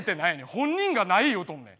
本人がない言うとんねん。